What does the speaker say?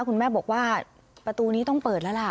คุณแม่บอกว่าประตูนี้ต้องเปิดแล้วล่ะ